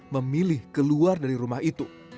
memilih keluar dari rumah itu